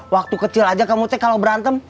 waktu kecil aja kamu tek kalau berantem